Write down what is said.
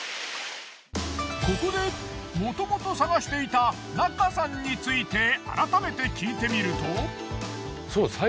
ここでもともと捜していた中さんについて改めて聞いてみると。